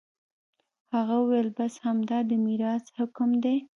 هغه وويل بس همدا د ميراث حکم دى.